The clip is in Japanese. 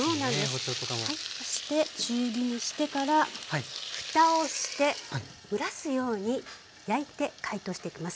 そして中火にしてからふたをして蒸らすように焼いて解凍していきます。